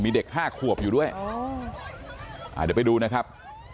มีเด็กห้าขวบอยู่ด้วยเดี๋ยวไปดูนะครับ